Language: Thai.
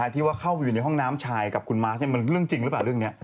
ที่ว่าเข้าไปอยู่ในห้องน้ำชายกับคุณมาร์คมันเรื่องจริงหรือเปล่าเรื่องนี้